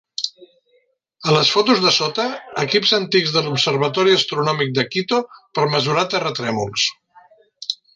A les fotos de sota, equips antics de l'Observatori Astronòmic de Quito per mesurar terratrèmols.